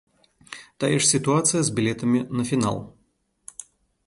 Тая ж сітуацыя з білетамі на фінал.